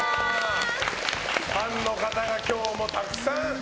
ファンの方が今日もたくさん。